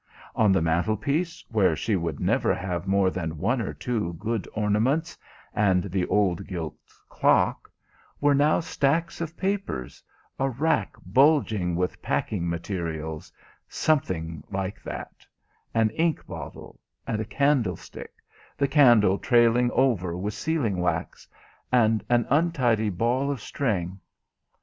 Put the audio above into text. On the mantlepiece, where she would never have more than one or two good ornaments, and the old gilt clock, were now stacks of papers, a rack bulging with packing materials something like that an ink bottle, a candlestick, the candle trailed over with sealing wax, and an untidy ball of string.